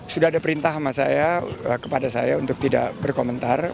sudah ada perintah sama saya kepada saya untuk tidak berkomentar